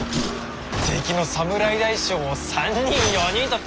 敵の侍大将を３人４人と倒してなあ！